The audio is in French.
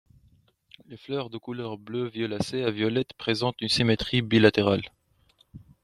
Les fleurs, de couleur bleu-violacé à violette, présentent une symétrie bilatérale.